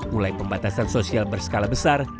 mulai pembatasan sosial berskala besar